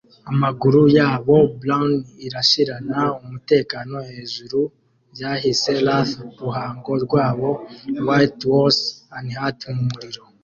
Amaguru yabo brawny irashirana umutekano hejuru vyahiye laths, ruhanga rwabo white wose unhurt mu muriro;